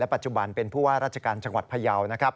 ปัจจุบันเป็นผู้ว่าราชการจังหวัดพยาวนะครับ